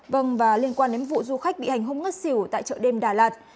vâng và liên quan đến vụ du khách bị hành hung ngất xỉu tại chợ đêm đà lạt